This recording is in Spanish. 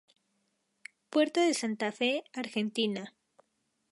Puerto de Santa Fe, Argentina.